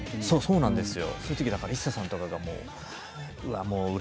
そうなんですよ。